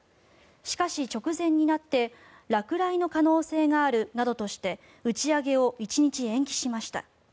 しかし、直前になって落雷の可能性があるなどとして打ち上げを１日延期しました。